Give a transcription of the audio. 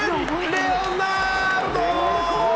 レオナールド！